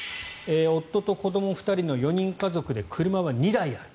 夫と子ども２人の４人家族で車は２台ある。